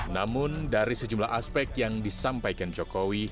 namun dari sejumlah aspek yang disampaikan jokowi